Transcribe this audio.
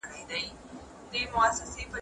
ارستو وایي چې هنر له طبیعت څخه د تقلید پایله ده.